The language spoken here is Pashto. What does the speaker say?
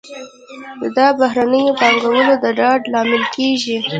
دا د بهرنیو پانګوالو د ډاډ لامل کیږي.